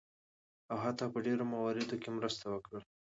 او حتی په ډیرو مواردو کې مرسته وکړله.